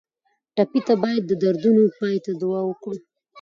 ټپي ته باید د دردونو پای ته دعا وکړو.